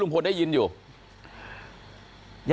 คุยกันต่อวันหลังนะเรื่องซิมเนี้ย